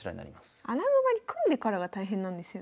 穴熊に組んでからが大変なんですよね。